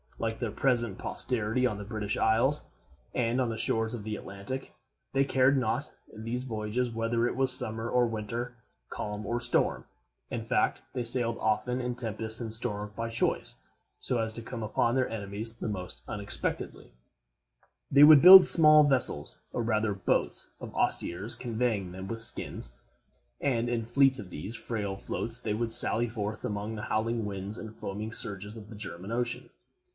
Like their present posterity on the British isles and on the shores of the Atlantic, they cared not, in these voyages, whether it was summer or winter, calm or storm. In fact, they sailed often in tempests and storms by choice, so as to come upon their enemies the more unexpectedly. [Illustration: SAXON MILITARY CHIEF] They would build small vessels, or rather boats, of osiers, covering them with skins, and in fleets of these frail floats they would sally forth among the howling winds and foaming surges of the German Ocean.